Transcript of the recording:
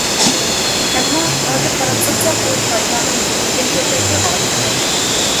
ئەمما ھازىر قاراپ باقساق، ئۇ چايلارنىڭ يېرىمىدىن كۆپرەكى غايىب بولدى.